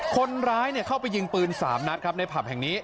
คนร้ายเข้าไปยิงปืน๓นัดครับในผับแห่งนี้